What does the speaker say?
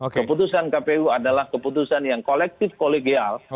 keputusan kpu adalah keputusan yang kolektif kolegial